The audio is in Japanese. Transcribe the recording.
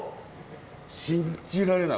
信じられない。